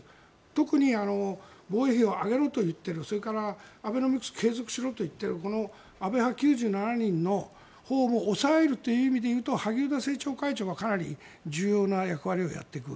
特に防衛費を上げろと言っているそれからアベノミクス継続しろと言っている安倍派９７人のほうも押さえるという意味でいうと萩生田政調会長がかなり重要な役割をやっていく。